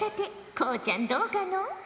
こうちゃんどうかのう？